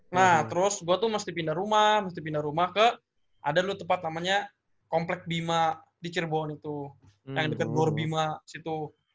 nah terus gue tuh mesti pindah rumah mesti pindah rumah ke ada lu tempat namanya komplek bima di cirebon itu yang dekat bor bima situ